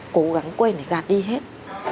cố gắng quên để gạt đi hết